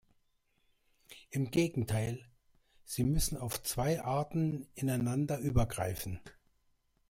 Im Gegenteil, sie müssen auf zwei Arten ineinander übergreifen.